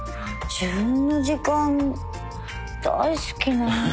自分の時間大好きなのに。